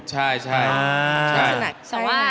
ใช่